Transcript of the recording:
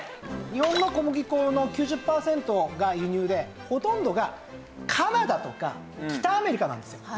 日本の小麦粉の９０パーセントが輸入でほとんどがカナダとか北アメリカなんですよ。